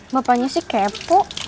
bapaknya sih kepo